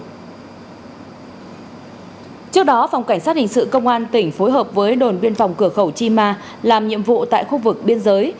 trước đó phòng cảnh sát hình sự công an tỉnh phối hợp với đồn biên phòng cửa khẩu chima làm nhiệm vụ tại khu vực biên giới